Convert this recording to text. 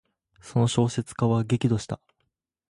その小説家は激怒した。